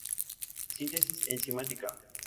Síntesis enzimática.